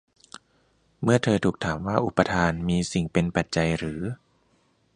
เมื่อเธอถูกถามว่าอุปาทานมีสิ่งเป็นปัจจัยหรือ